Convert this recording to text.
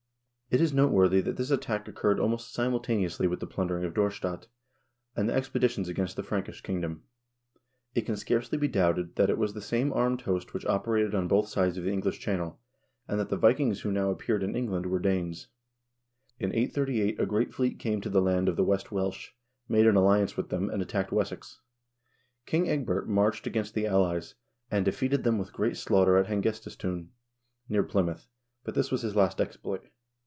It is noteworthy that this attack occurred almost simultaneously with the plundering of Dorstadt, and the expeditions against the Frank ish kingdom. It can scarcely be doubted that it was the same armed host which operated on both sides of the English Channel, and that the Vikings who now appeared in England were Danes. In 838 a great fleet came to the land of the West Welsh, made an alliance with them, and attacked Wessex. King Ecgbert marched against the allies, and defeated them with great slaughter at Henges tesdune, near Plymouth, but this was his last exploit.